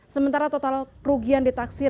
sementara total kerugian ditaksikan